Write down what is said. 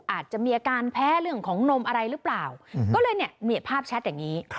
อาจจะมีอาการแพ้เรื่องของนมอะไรหรือเปล่าก็เลยเนี่ยภาพแชทอย่างนี้